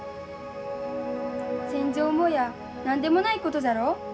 戦場を思やあ何でもないことじゃろう。